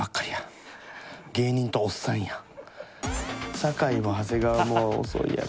酒井も長谷川も足が遅いよな。